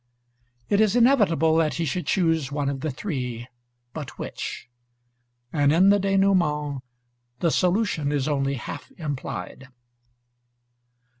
It is inevitable that he should chose one of the three, but which? And in the dénouement the solution is only half implied.